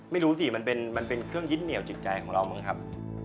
ไม่รู้สิมันเป็นเครื่องยึดเหนียวจิตใจของเรามั้งครับ